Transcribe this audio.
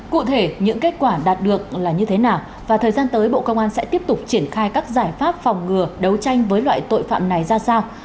cụ thể những kết quả đạt được là như thế nào và thời gian tới bộ công an sẽ tiếp tục triển khai các giải pháp phòng ngừa đấu tranh với loại tội phạm này ra sao